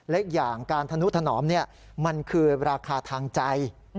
อีกอย่างการธนุถนอมมันคือราคาทางใจ